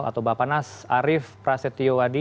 atau bapak nas arief prasetyo wadi